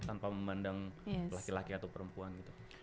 tanpa memandang laki laki atau perempuan gitu